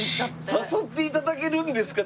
誘って頂けるんですか？